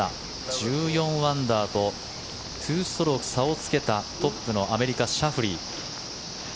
１４アンダーと２ストローク差をつけたトップのアメリカ、シャフリー。